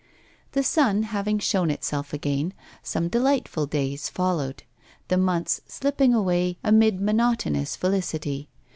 The sun having shown itself again, some delightful days followed, the months slipping away amid monotonous felicity.